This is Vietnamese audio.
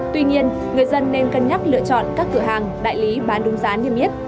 tuy nhiên người dân nên cân nhắc lựa chọn các cửa hàng đại lý bán đúng giá niêm yết